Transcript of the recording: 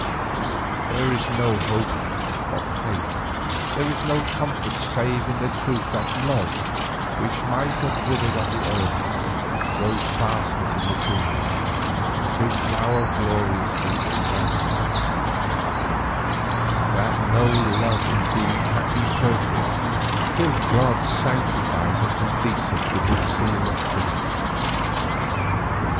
There is no hope but faith, there is no comfort save in the truth that love which might have withered on the earth grows fastest in the tomb, to flower gloriously in heaven; that no love indeed can be perfect till God sanctifies and completes it with His seal of death.